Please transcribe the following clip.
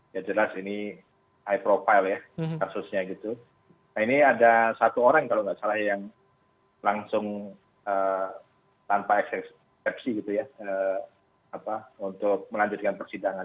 ya jelas ini high profile ya kasusnya gitu nah ini ada satu orang kalau nggak salah yang langsung tanpa eksepsi gitu ya untuk melanjutkan persidangan